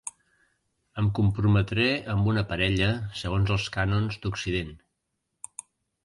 Em comprometré amb una parella segons els cànons d'occident.